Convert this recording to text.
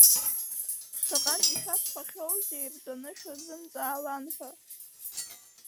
Шаҟантә ишәасҳәахьоузеи иртәаны шәырзымҵаалан ҳәа…